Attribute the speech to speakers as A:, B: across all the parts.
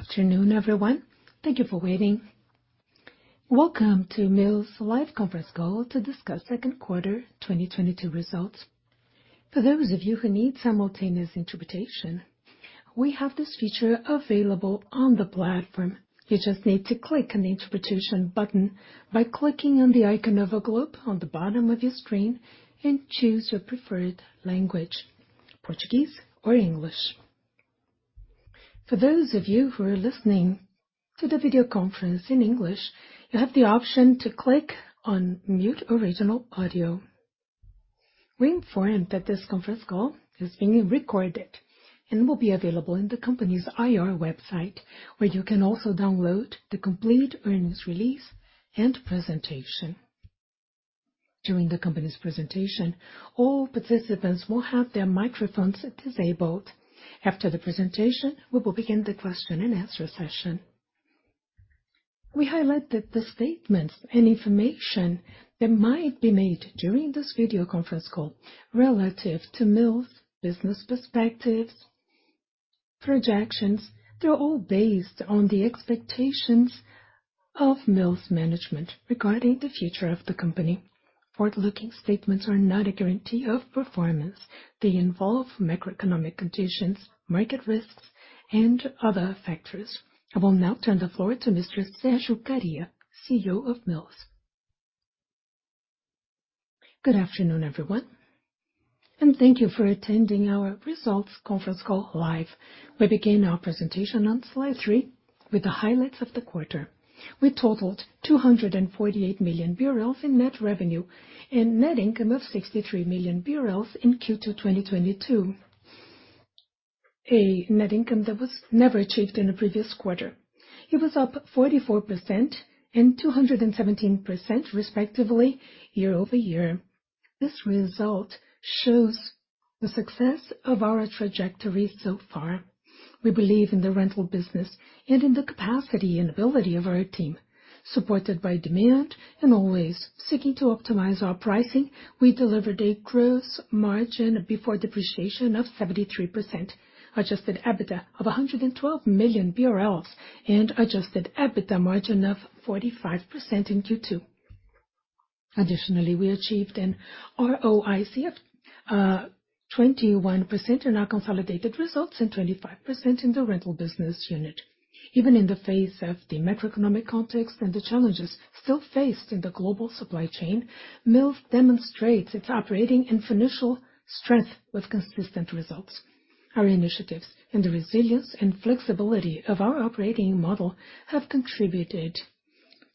A: Good afternoon, everyone. Thank you for waiting. Welcome to Mills' live conference call to discuss second quarter 2022 results. For those of you who need simultaneous interpretation, we have this feature available on the platform. You just need to click on the interpretation button by clicking on the icon of a globe on the bottom of your screen and choose your preferred language, Portuguese or English. For those of you who are listening to the video conference in English, you have the option to click on Mute Original Audio. We inform that this conference call is being recorded and will be available in the company's IR website, where you can also download the complete earnings release and presentation. During the company's presentation, all participants will have their microphones disabled. After the presentation, we will begin the question and answer session. We highlight that the statements and information that might be made during this video conference call relative to Mills' business perspectives, projections, they're all based on the expectations of Mills' management regarding the future of the company. Forward-looking statements are not a guarantee of performance. They involve macroeconomic conditions, market risks, and other factors. I will now turn the floor to Mr. Sérgio Kariya, CEO of Mills.
B: Good afternoon, everyone, and thank you for attending our results conference call live. We begin our presentation on slide three with the highlights of the quarter. We totaled 248 million BRL in net revenue and net income of 63 million BRL in Q2 2022. A net income that was never achieved in the previous quarter. It was up 44% and 217% respectively year-over-year. This result shows the success of our trajectory so far. We believe in the rental business and in the capacity and ability of our team. Supported by demand and always seeking to optimize our pricing, we delivered a gross margin before depreciation of 73%, adjusted EBITDA of 112 million BRL and adjusted EBITDA margin of 45% in Q2. Additionally, we achieved an ROIC of 21% in our consolidated results and 25% in the rental business unit. Even in the face of the macroeconomic context and the challenges still faced in the global supply chain, Mills demonstrates its operating and financial strength with consistent results. Our initiatives and the resilience and flexibility of our operating model have contributed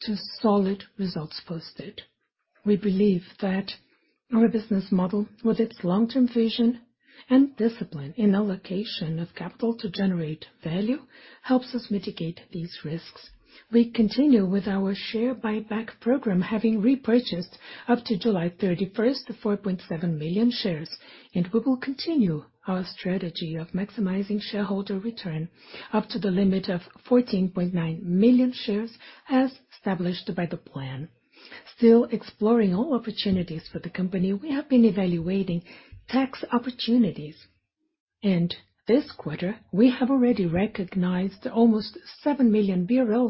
B: to solid results posted. We believe that our business model, with its long-term vision and discipline in allocation of capital to generate value, helps us mitigate these risks. We continue with our share buyback program, having repurchased up to July thirty-first, 4.7 million shares, and we will continue our strategy of maximizing shareholder return up to the limit of 14.9 million shares as established by the plan. Still exploring all opportunities for the company, we have been evaluating tax opportunities. This quarter, we have already recognized almost 7 million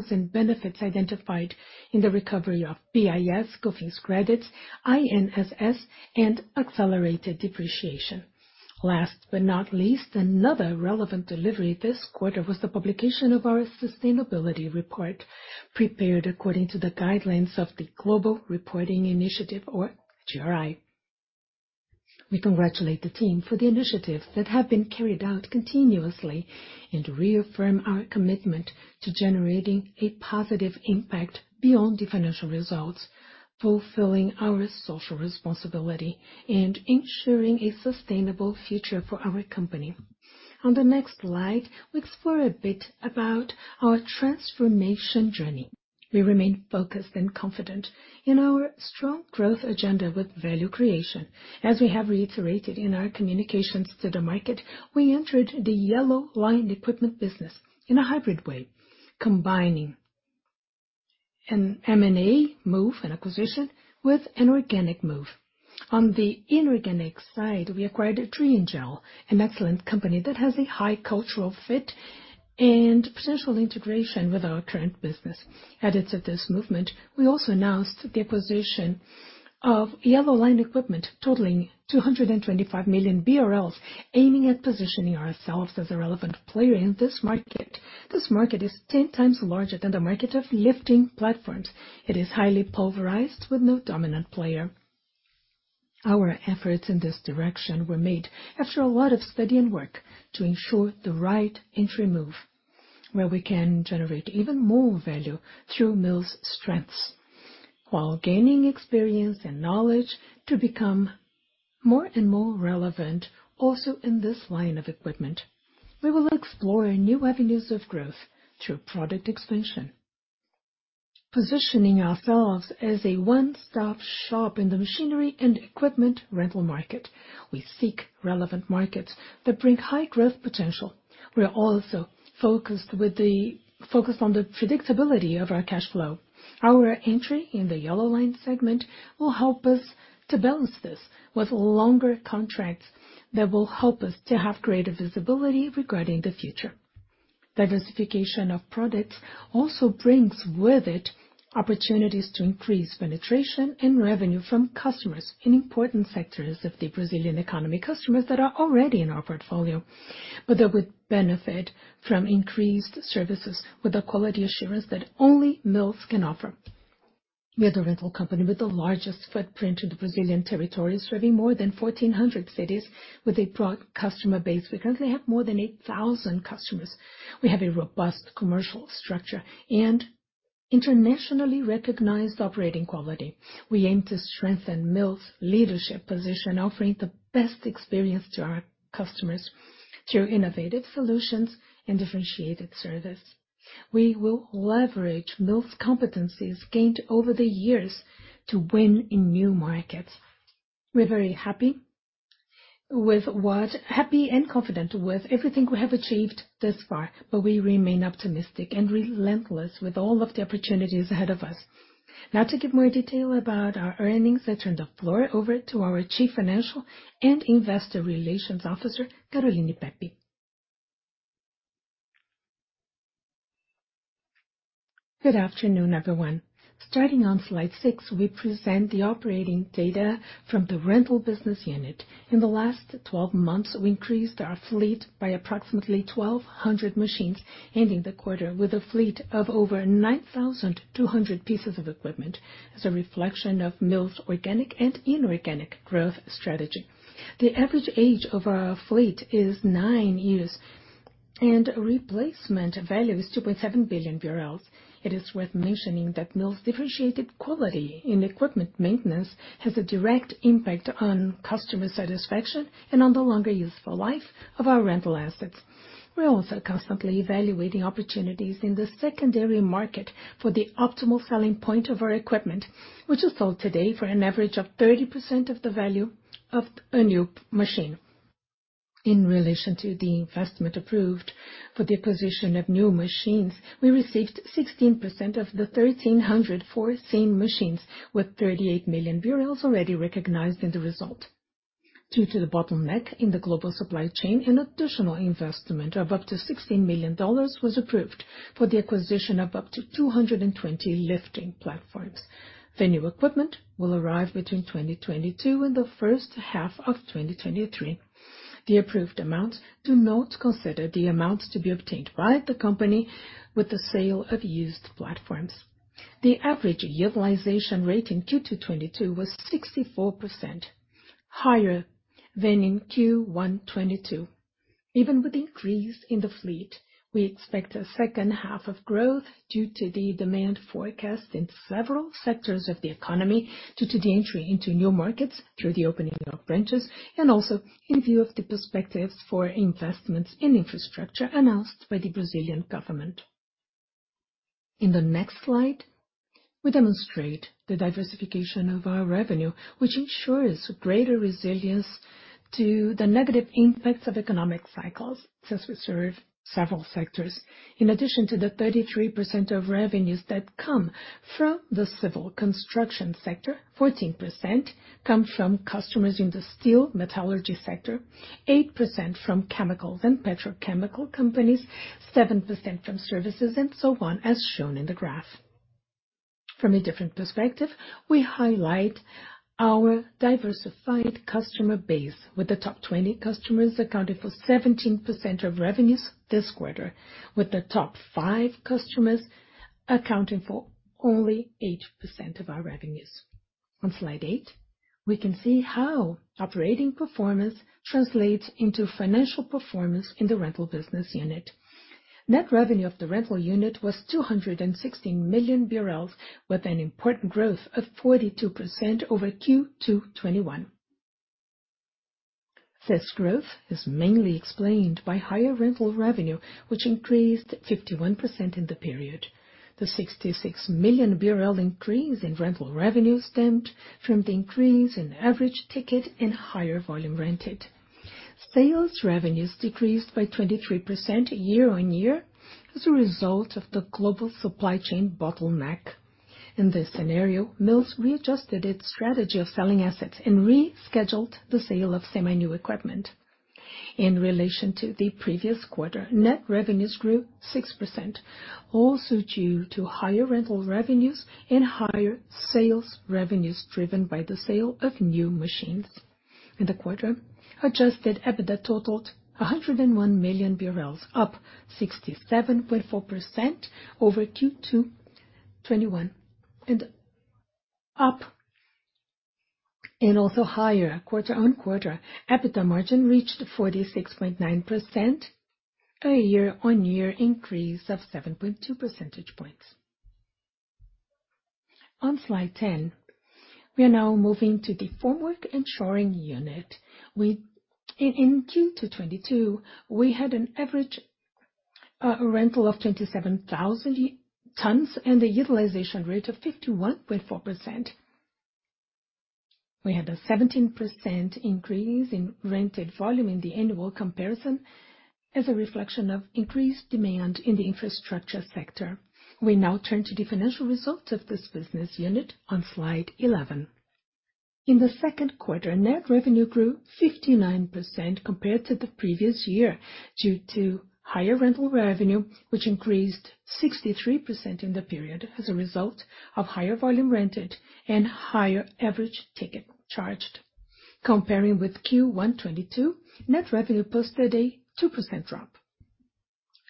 B: in benefits identified in the recovery of PIS, COFINS credits, INSS, and accelerated depreciation. Last but not least, another relevant delivery this quarter was the publication of our sustainability report, prepared according to the guidelines of the Global Reporting Initiative or GRI. We congratulate the team for the initiatives that have been carried out continuously and reaffirm our commitment to generating a positive impact beyond the financial results, fulfilling our social responsibility and ensuring a sustainable future for our company. On the next slide, we explore a bit about our transformation journey. We remain focused and confident in our strong growth agenda with value creation. As we have reiterated in our communications to the market, we entered the Yellow Line equipment business in a hybrid way, combining an M and A move and acquisition with an organic move. On the inorganic side, we acquired Trieng, an excellent company that has a high cultural fit and potential integration with our current business. Added to this movement, we also announced the acquisition of Yellow Line equipment totaling 225 million BRL, aiming at positioning ourselves as a relevant player in this market. This market is 10 times larger than the market of lifting platforms. It is highly pulverized with no dominant player. Our efforts in this direction were made after a lot of study and work to ensure the right entry move, where we can generate even more value through Mills' strengths while gaining experience and knowledge to become more and more relevant also in this line of equipment. We will explore new avenues of growth through product expansion. Positioning ourselves as a one-stop shop in the machinery and equipment rental market. We seek relevant markets that bring high growth potential. We are also focused with focus on the predictability of our cash flow. Our entry in the Yellow Line segment will help us to balance this with longer contracts that will help us to have greater visibility regarding the future. Diversification of products also brings with it opportunities to increase penetration and revenue from customers in important sectors of the Brazilian economy, customers that are already in our portfolio. They would benefit from increased services with the quality assurance that only Mills can offer. We are the rental company with the largest footprint in Brazilian territories, serving more than 1,400 cities with a broad customer base. Because they have more than 8,000 customers. We have a robust commercial structure and internationally recognized operating quality. We aim to strengthen Mills' leadership position, offering the best experience to our customers through innovative solutions and differentiated service. We will leverage Mills' competencies gained over the years to win in new markets. We're very happy and confident with everything we have achieved thus far, but we remain optimistic and relentless with all of the opportunities ahead of us. Now to give more detail about our earnings, I turn the floor over to our Chief Financial and Investor Relations Officer, Renata Vaz.
C: Good afternoon, everyone. Starting on slide six, we present the operating data from the rental business unit. In the last 12 months, we increased our fleet by approximately 1,200 machines, ending the quarter with a fleet of over 9,200 pieces of equipment as a reflection of Mills organic and inorganic growth strategy. The average age of our fleet is 9 years, and replacement value is 2.7 billion BRL. It is worth mentioning that Mills differentiated quality in equipment maintenance has a direct impact on customer satisfaction and on the longer useful life of our rental assets. We are also constantly evaluating opportunities in the secondary market for the optimal selling point of our equipment, which is sold today for an average of 30% of the value of a new machine. In relation to the investment approved for the acquisition of new machines, we received 16% of the 1,314 machines, with 38 million BRL already recognized in the result. Due to the bottleneck in the global supply chain, an additional investment of up to $16 million was approved for the acquisition of up to 220 lifting platforms. The new equipment will arrive between 2022 and the first half of 2023. The approved amounts do not consider the amounts to be obtained by the company with the sale of used platforms. The average utilization rate in Q2 2022 was 64%, higher than in Q1 2022. Even with increase in the fleet, we expect a second half of growth due to the demand forecast in several sectors of the economy, due to the entry into new markets through the opening of branches, and also in view of the perspectives for investments in infrastructure announced by the Brazilian government. In the next slide, we demonstrate the diversification of our revenue, which ensures greater resilience to the negative impacts of economic cycles, since we serve several sectors. In addition to the 33% of revenues that come from the civil construction sector, 14% come from customers in the steel metallurgy sector, 8% from chemicals and petrochemical companies, 7% from services, and so on, as shown in the graph. From a different perspective, we highlight our diversified customer base, with the top 20 customers accounting for 17% of revenues this quarter, with the top five customers accounting for only 8% of our revenues. On slide 8, we can see how operating performance translates into financial performance in the rental business unit. Net revenue of the rental unit was 216 million, with an important growth of 42% over Q2 2021. This growth is mainly explained by higher rental revenue, which increased 51% in the period. The 66 million increase in rental revenue stemmed from the increase in average ticket and higher volume rented. Sales revenues decreased by 23% year-on-year as a result of the global supply chain bottleneck. In this scenario, Mills readjusted its strategy of selling assets and rescheduled the sale of semi new equipment. In relation to t he previous quarter, net revenues grew 6%, also due to higher rental revenues and higher sales revenues driven by the sale of new machines. In the quarter, adjusted EBITDA totaled 101 million, up 67.4% over Q2 2021, and up and also higher quarter-on-quarter. EBITDA margin reached 46.9%, a year-on-year increase of 7.2 percentage points. On slide 10, we are now moving to the formwork and shoring unit. In Q2 2022, we had an average rental of 27,000 tons and a utilization rate of 51.4%. We had a 17% increase in rented volume in the annual comparison as a reflection of increased demand in the infrastructure sector. We now turn to the financial results of this business unit on slide 11. In the second quarter, net revenue grew 59% compared to the previous year, due to higher rental revenue, which increased 63% in the period as a result of higher volume rented and higher average ticket charged. Comparing with Q1 2022, net revenue posted a 2% drop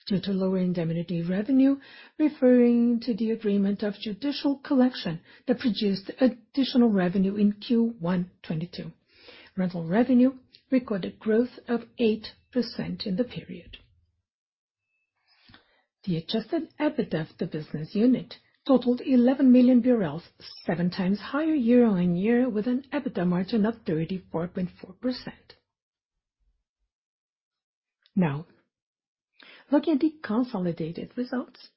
C: due to lower indemnity revenue, referring to the agreement of judicial collection that produced additional revenue in Q1 2022. Rental revenue recorded growth of 8% in the period. The adjusted EBITDA of the business unit totaled 11 million BRL, seven times higher year-on-year with an EBITDA margin of 34.4%. Now, looking at the consolidated results,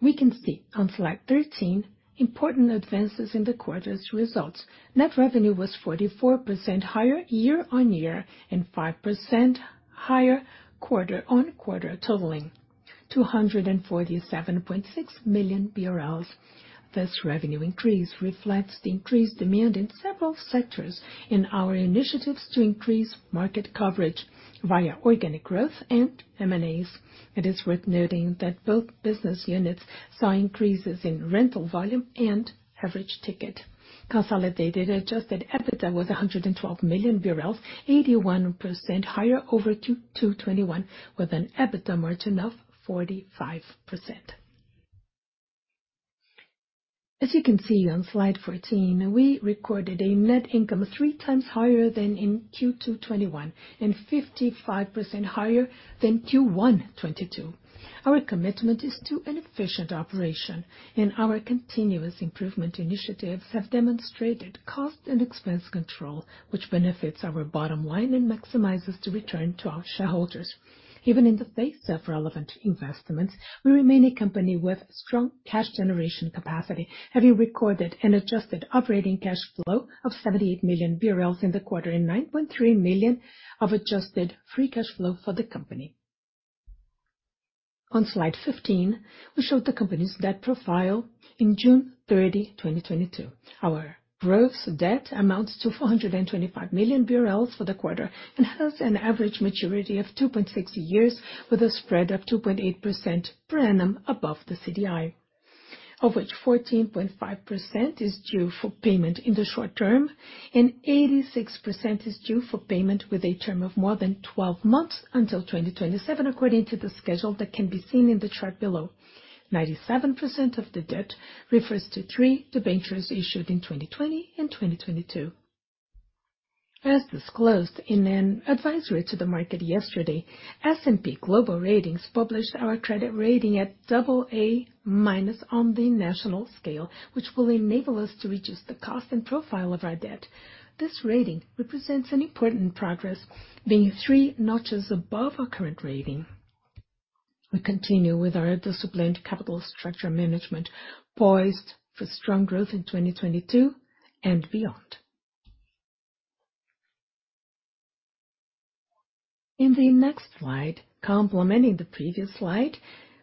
C: we can see on slide 13 important advances in the quarter's results. Net revenue was 44% higher year-on-year and 5% higher quarter-on-quarter, totaling 247.6 million BRL. This revenue increase reflects the increased demand in several sectors in our initiatives to increase market coverage via organic growth and M and As. It is worth noting that both business units saw increases in rental volume and average ticket. Consolidated adjusted EBITDA was 112 million BRL, 81% higher over Q2 2021 with an EBITDA margin of 45%. As you can see on slide 14, we recorded a net income three times higher than in Q2 2021 and 55% higher than Q1 2022. Our commitment is to an efficient operation, and our continuous improvement initiatives have demonstrated cost and expense control, which benefits our bottom line and maximizes the return to our shareholders. Even in the face of relevant investments, we remain a company with strong cash generation capacity, having recorded an adjusted operating cash flow of 78 million BRL in the quarter and 9.3 million of adjusted free cash flow for the company. On slide 15, we show the company's debt profile in June 30, 2022. Our gross debt amounts to 425 million BRL for the quarter and has an average maturity of 2.6 years with a spread of 2.8% per annum above the CDI, of which 14.5% is due for payment in the short term and 86% is due for payment with a term of more than 12 months until 2027 according to the schedule that can be seen in the chart below. 97% of the debt refers to three debentures issued in 2020 and 2022. As disclosed in an advisory to the market yesterday, S&P Global Ratings published our credit rating at AA- on the national scale, which will enable us to reduce the cost and profile of our debt. This rating represents an important progress, being three notches above our current rating. We continue with our disciplined capital structure management, poised for strong growth in 2022 and beyond. In the next slide, complementing the previous slide,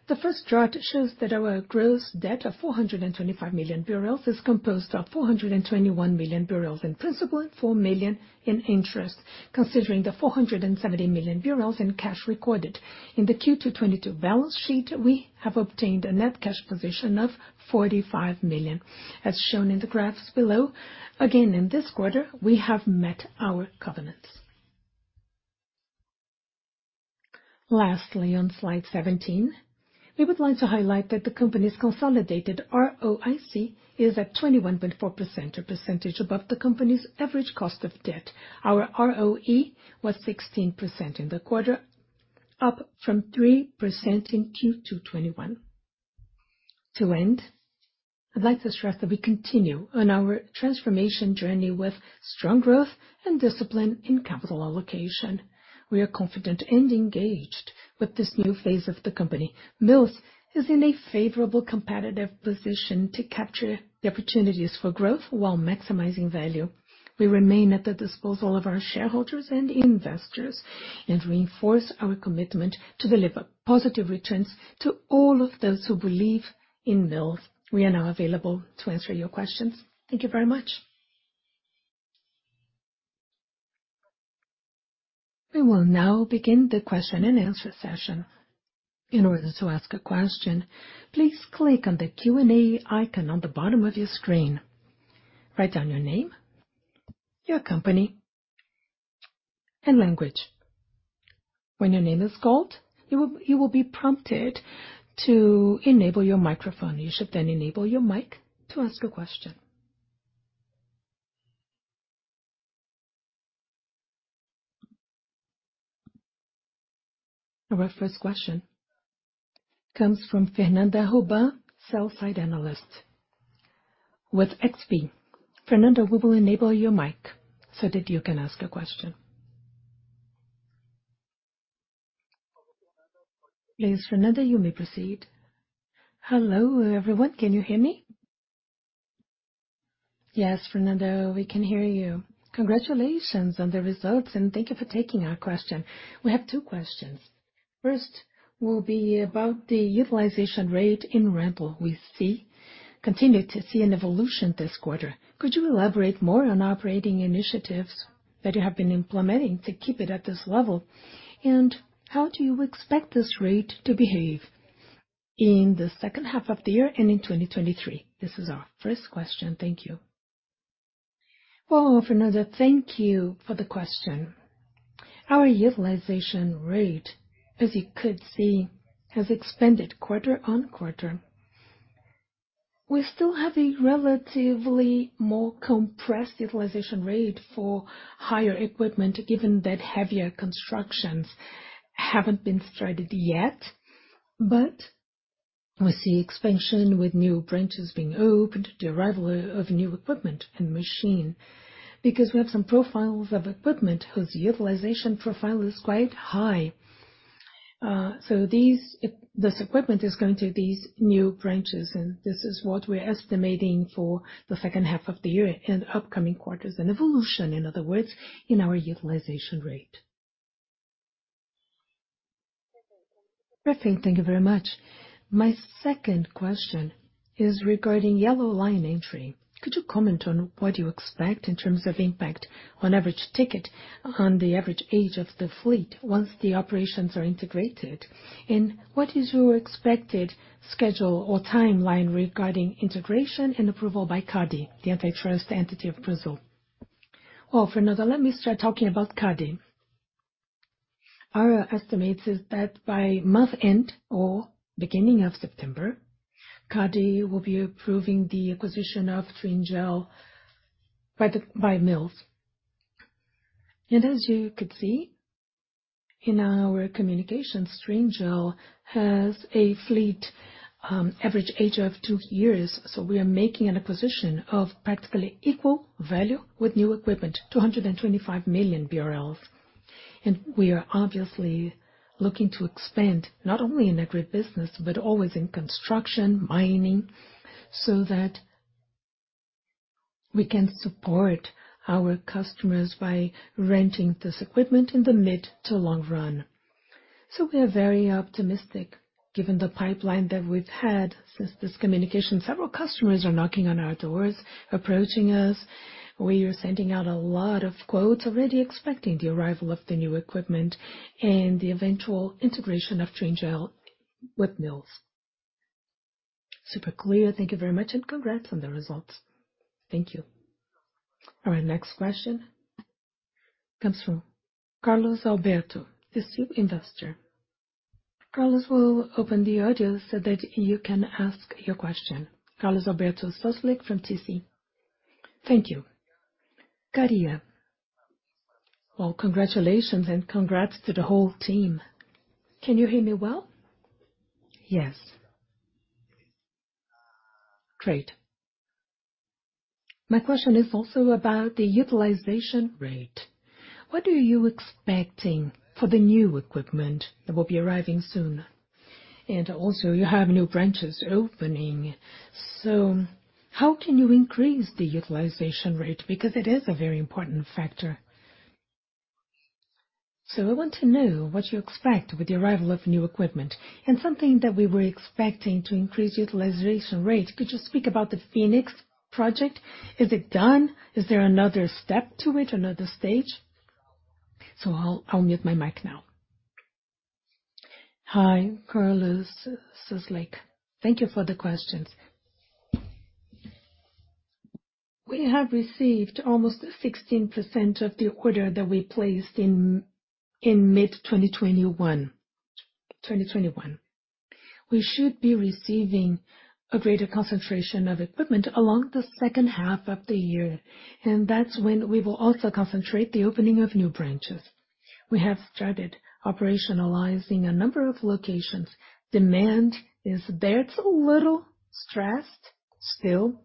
C: the first chart shows that our gross debt of 425 million BRL is composed of 421 million BRL in principal and 4 million in interest. Considering the 470 million BRL in cash recorded in the Q2 2022 balance sheet, we have obtained a net cash position of 45 million. As shown in the graphs below, again in this quarter, we have met our covenants. Lastly, on slide 17, we would like to highlight that the company's consolidated ROIC is at 21.4%, a percentage above the company's average cost of debt. Our ROE was 16% in the quarter, up from 3% in Q2 2021. To end, I'd like to stress that we continue on our transformation journey with strong growth and discipline in capital allocation. We are confident and engaged with this new phase of the company. Mills is in a favorable competitive position to capture the opportunities for growth while maximizing value. We remain at the disposal of our shareholders and investors and reinforce our commitment to deliver positive returns to all of those who believe in Mills. We are now available to answer your questions. Thank you very much.
A: We will now begin the question and answer session. In order to ask a question, please click on the Q&A icon on the bottom of your screen. Write down your name, your company, and language. When your name is called, you will be prompted to enable your microphone. You should then enable your mic to ask a question. Our first question comes from Fernanda Recchia, Sell-side Analyst with XP. Fernanda, we will enable your mic so that you can ask a question. Please, Fernanda, you may proceed.
D: Hello, everyone. Can you hear me?
B: Yes, Fernanda, we can hear you.
D: Congratulations on the results, and thank you for taking our question. We have two questions. First will be about the utilization rate in rental. We see, continue to see an evolution this quarter.
B: Could you elaborate more on operating initiatives that you have been implementing to keep it at this level? How do you expect this rate to behave in the second half of the year and in 2023? This is our first question. Thank you. Well, Fernanda, thank you for the question. Our utilization rate, as you could see, has expanded quarter-on-quarter. We still have a relatively more compressed utilization rate for heavier equipment, given that heavier constructions haven't been started yet. We see expansion with new branches being opened, the arrival of new equipment and machine. Because we have some profiles of equipment whose utilization profile is quite high. So this equipment is going to these new branches, and this is what we're estimating for the second half of the year and upcoming quarters. An evolution, in other words, in our utilization rate.
D: Perfect. Thank you very much. My second question is regarding Yellow Line entry. Could you comment on what you expect in terms of impact on average ticket, on the average age of the fleet once the operations are integrated? What is your expected schedule or timeline regarding integration and approval by CADE, the antitrust entity of Brazil? Well, Fernanda, let me start talking about CADE. Our estimates is that by month end or beginning of September, CADE will be approving the acquisition of Trieng by Mills. As you could see in our communications, Trieng has a fleet, average age of two years. We are making an acquisition of practically equal value with new equipment, 225 million BRL.
B: We are obviously looking to expand not only in agri business, but always in construction, mining, so that we can support our customers by renting this equipment in the mid to long run. We are very optimistic given the pipeline that we've had since this communication. Several customers are knocking on our doors, approaching us. We are sending out a lot of quotes already expecting the arrival of the new equipment and the eventual integration of Trieng with Mills. Super clear. Thank you very much, and congrats on the results. Thank you. All right, next question comes from Carlos Alberto de Souza, TC Investor. Carlos, we'll open the audio so that you can ask your question. Carlos Alberto de Souza from TC. Thank you. Kariya. Well, congratulations and congrats to the whole team. Can you hear me well? Yes. Great. My question is also about the utilization rate. What are you expecting for the new equipment that will be arriving soon? You have new branches opening, so how can you increase the utilization rate? Because it is a very important factor. I want to know what you expect with the arrival of new equipment. Something that we were expecting to increase utilization rate, could you speak about the Phoenix Project? Is it done? Is there another step to it, another stage? I'll mute my mic now. Hi, Carlos Alberto de Souza. Thank you for the questions. We have received almost 16% of the order that we placed in mid-2021. We should be receiving a greater concentration of equipment along the second half of the year, and that's when we will also concentrate the opening of new branches. We have started operationalizing a number of locations. Demand is there.
A: It's a little stressed still.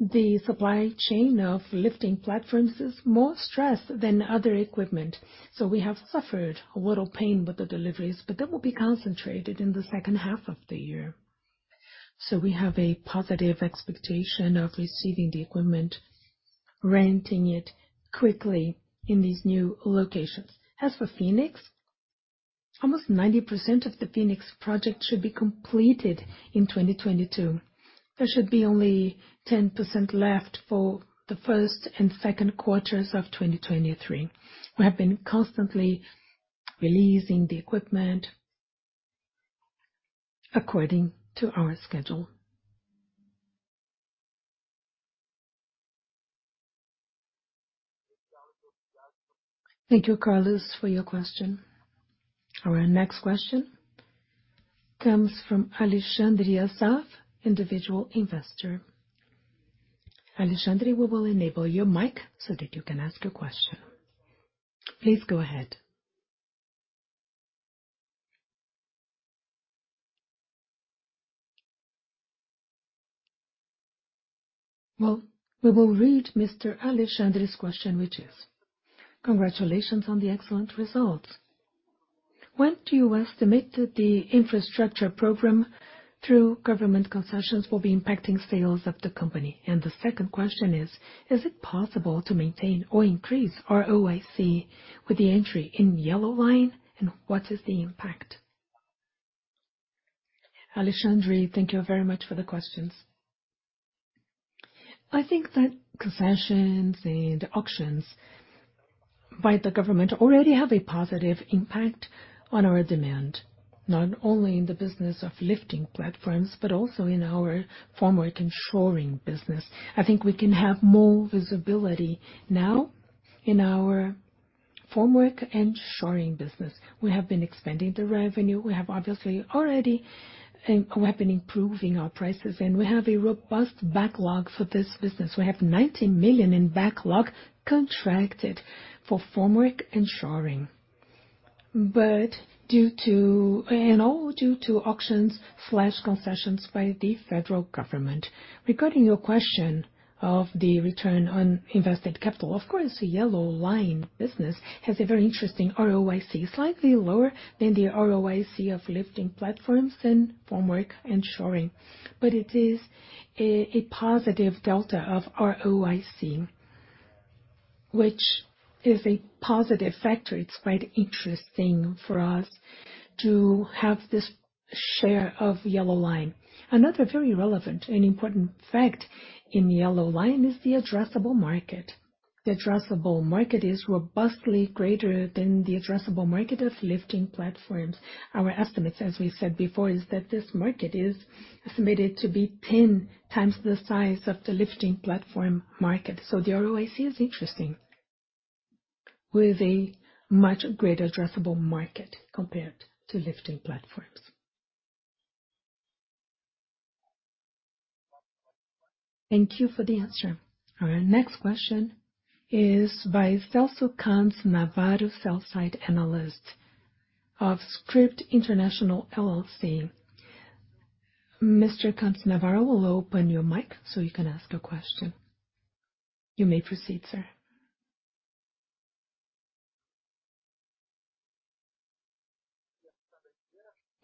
A: The supply chain of lifting platforms is more stressed than other equipment, so we have suffered a little pain with the deliveries, but that will be concentrated in the second half of the year. We have a positive expectation of receiving the equipment, renting it quickly in these new locations. As for Phoenix, almost 90% of the Phoenix Project should be completed in 2022. There should be only 10% left for the first and second quarters of 2023. We have been constantly releasing the equipment according to our schedule. Thank you, Carlos, for your question. Our next question comes from Alexandre Pellaes Nevares, individual investor. Alexandre, we will enable your mic so that you can ask your question. Please go ahead. Well, we will read Mr. Alexandre Pellaes Nevares question, which is: Congratulations on the excellent results.
E: When do you estimate that the infrastructure program through government concessions will be impacting sales of the company? And the second question is it possible to maintain or increase ROIC with the entry in Yellow Line? And what is the impact? Alexandre, thank you very much for the questions. I think that concessions and auctions by the government already have a positive impact on our demand, not only in the business of lifting platforms, but also in our formwork and shoring business. I think we can have more visibility now in our formwork and shoring business. We have been expanding the revenue. We have been improving our prices, and we have a robust backlog for this business. We have 90 million in backlog contracted for formwork and shoring, all due to auctions and concessions by the federal government.
B: Regarding your question of the return on invested capital, of course, Yellow Line business has a very interesting ROIC, slightly lower than the ROIC of lifting platforms and formwork and shoring. It is a positive delta of ROIC, which is a positive factor. It's quite interesting for us to have this share of Yellow Line. Another very relevant and important fact in Yellow Line is the addressable market. The addressable market is robustly greater than the addressable market of lifting platforms. Our estimates, as we said before, is that this market is estimated to be ten times the size of the lifting platform market. The ROIC is interesting, with a much greater addressable market compared to lifting platforms. Thank you for the answer. Our next question is by Celso Canto Navarro, sell-side analyst of SCRP. Mr. Canto Navarro, we'll open your mic so you can ask a question. You may proceed, sir.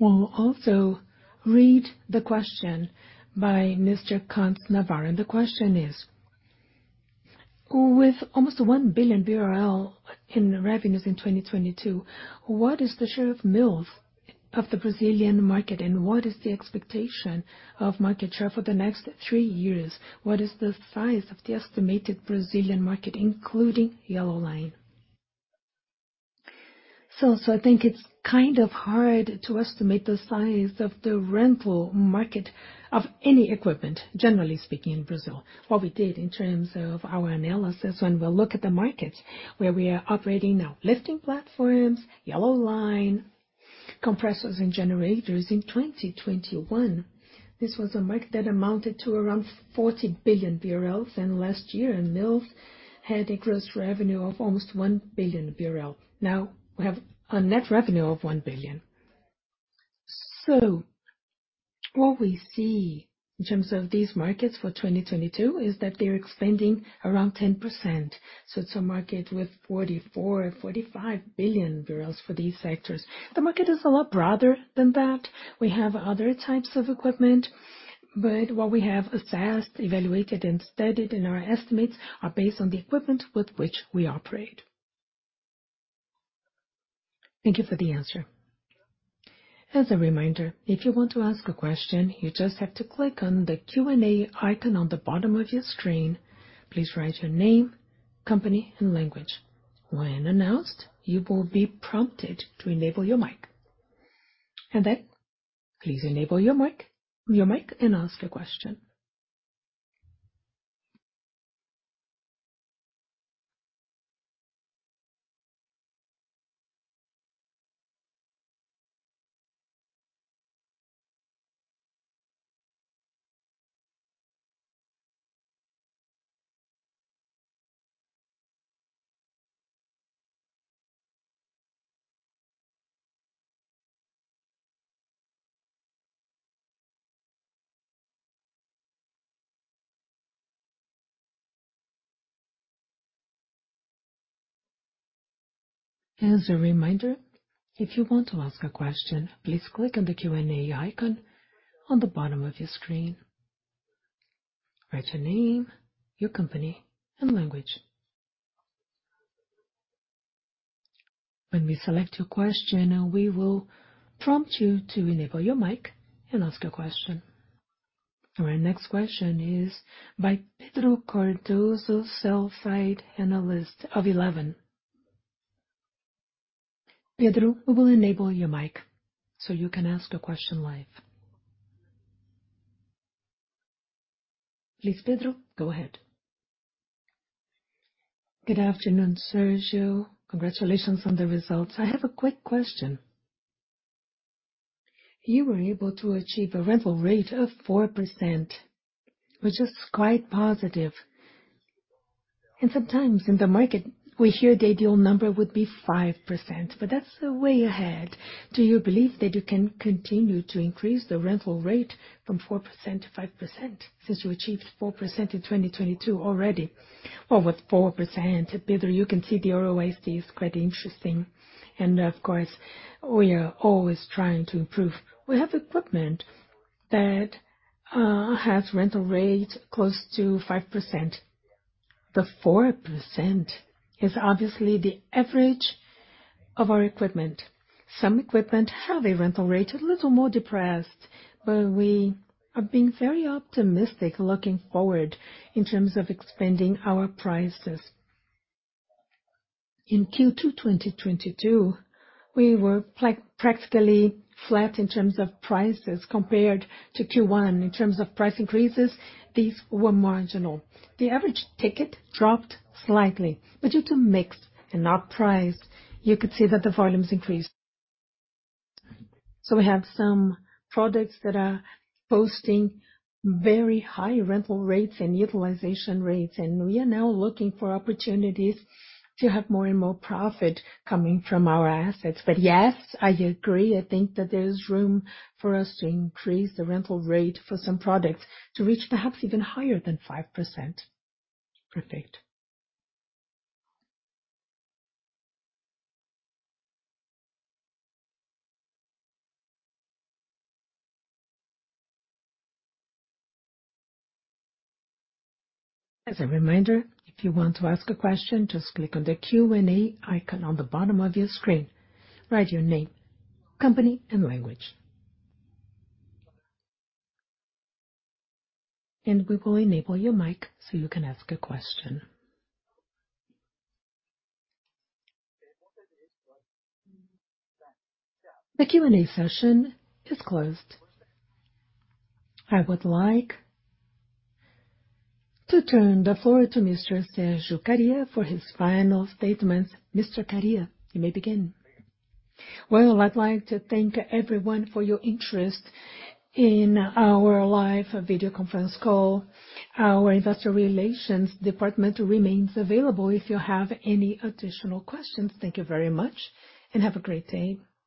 B: We'll also read the question by Mr. Celso Canto Navarro. The question is: With almost 1 billion BRL in revenues in 2022, what is the share of Mills of the Brazilian market, and what is the expectation of market share for the next three years? What is the size of the estimated Brazilian market, including Yellow Line? Celso, I think it's kind of hard to estimate the size of the rental market of any equipment, generally speaking, in Brazil. What we did in terms of our analysis, when we look at the markets where we are operating now, lifting platforms, Yellow Line, compressors and generators. In 2021, this was a market that amounted to around 40 billion BRL. Last year, Mills had a gross revenue of almost 1 billion BRL. Now we have a net revenue of 1 billion. What we see in terms of these markets for 2022 is that they're expanding around 10%. It's a market with 44 billion-45 billion for these sectors. The market is a lot broader than that. We have other types of equipment, but what we have assessed, evaluated, and studied in our estimates are based on the equipment with which we operate.
E: Thank you for the answer.
A: As a reminder, if you want to ask a question, you just have to click on the Q&A icon on the bottom of your screen. Please write your name, company and language. When announced, you will be prompted to enable your mic. Then please enable your mic and ask your question. As a reminder, if you want to ask a question, please click on the Q&A icon on the bottom of your screen. Write your name, your company and language. When we select your question, we will prompt you to enable your mic and ask your question. Our next question is by Pedro Cardoso, sell-side analyst of Eleven Financial. Pedro, we will enable your mic so you can ask your question live. Please, Pedro, go ahead.
F: Good afternoon, Sérgio Kariya. Congratulations on the results. I have a quick question. You were able to achieve a rental rate of 4%, which is quite positive. Sometimes in the market, we hear the ideal number would be 5%, but that's way ahead. Do you believe that you can continue to increase the rental rate from 4%-5% since you achieved 4% in 2022 already?
B: Well, with 4%, Pedro, you can see the ROIC is quite interesting. Of course, we are always trying to improve. We have equipment that has rental rate close to 5%. The 4% is obviously the average of our equipment. Some equipment have a rental rate a little more depressed, but we are being very optimistic looking forward in terms of expanding our prices. In Q2 2022, we were practically flat in terms of prices compared to Q1. In terms of price increases, these were marginal. The average ticket dropped slightly, but due to mix and not price, you could see that the volumes increased. We have some products that are posting very high rental rates and utilization rates, and we are now looking for opportunities to have more and more profit coming from our assets. Yes, I agree. I think that there's room for us to increase the rental rate for some products to reach perhaps even higher than 5%. Perfect.
A: As a reminder, if you want to ask a question, just click on the Q&A icon on the bottom of your screen. Write your name, company, and language. We will enable your mic so you can ask a question. The Q&A session is closed. I would like to turn the floor to Mr. Sérgio Kariya for his final statements. Mr. Kariya, you may begin.
B: Well, I'd like to thank everyone for your interest in our live video conference call. Our investor relations department remains available if you have any additional questions. Thank you very much and have a great day.